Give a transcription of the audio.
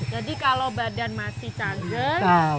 jadi kalau badan masih cager